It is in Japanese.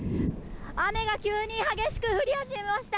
雨が急に激しく降り始めました。